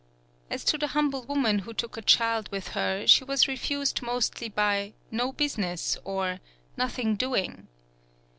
As to the humble woman who took a child with her, she was re fused mostly by "no business," or "nothing doing."